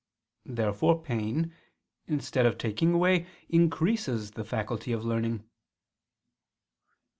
Therefore pain, instead of taking away, increases the faculty of learning.